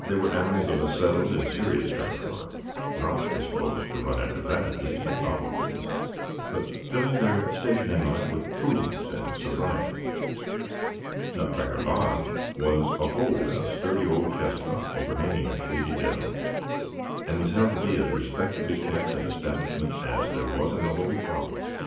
They were animals of a settled and serious turn of mind, not disposed to run after vanities and novelties, but filling their station in life with prudence and sobriety. Nutcracker Lodge was a hole in a sturdy old chestnut overhanging a shady dell, and was held to be as respectably kept an establishment as there was in the whole forest.